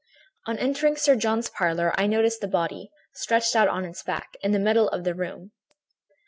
"On entering Sir John's parlor, I noticed the body, stretched out on its back, in the middle of the room.